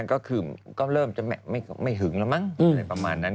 ก็คือก็เริ่มจะไม่หึงแล้วมั้งอะไรประมาณนั้น